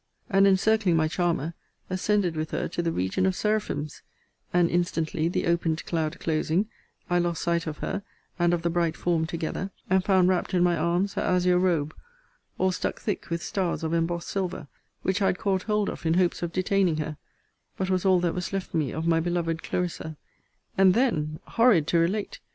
and, encircling my charmer, ascended with her to the region of seraphims; and instantly, the opened cloud closing, I lost sight of her, and of the bright form together, and found wrapt in my arms her azure robe (all stuck thick with stars of embossed silver) which I had caught hold of in hopes of detaining her; but was all that was left me of my beloved Clarissa. And then, (horrid to relate!)